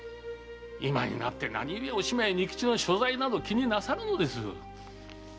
今になって何ゆえお島や仁吉の所在など気になさるのです？